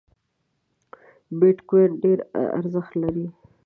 بیټ کواین ډېر ارزښت لري